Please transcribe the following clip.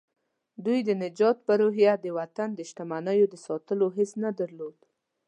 دوی د نجات په روحيه د وطن د شتمنيو د ساتلو حس نه درلود.